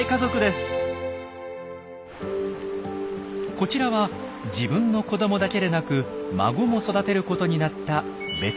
こちらは自分の子どもだけでなく孫も育てることになったベテラン母さん。